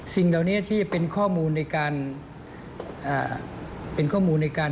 สิ่งเหล่านี้ที่เป็นข้อมูลในการ